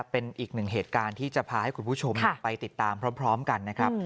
เป็นอีกหนึ่งเหตุการณ์ที่จะพาให้คุณผู้ชมไปติดตามพร้อมกันนะครับ